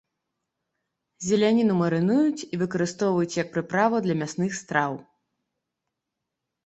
Зеляніну марынуюць і выкарыстоўваюць як прыправу для мясных страў.